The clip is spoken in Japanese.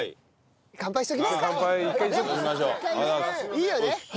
いいよね？